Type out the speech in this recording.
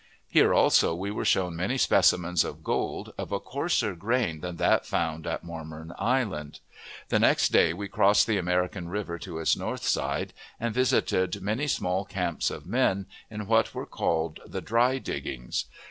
Here also we were shown many specimens of gold, of a coarser grain than that found at Mormon Island. The next day we crossed the American River to its north side, and visited many small camps of men, in what were called the "dry diggings."